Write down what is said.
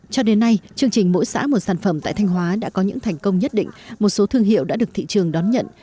cho đến nay chương trình mỗi xã một sản phẩm tại thanh hóa đã có những thành công nhất định một số thương hiệu đã được thị trường đón nhận